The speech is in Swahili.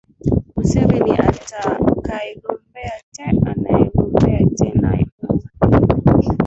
museveni atakaegombea te anayegombea tena u